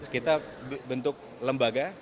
kita bentuk lembaga